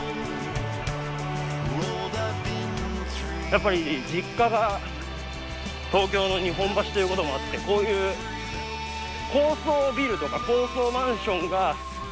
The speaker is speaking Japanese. やっぱり実家が東京の日本橋ということもあってこういう高層ビルとか高層マンションがバッと並んでる所。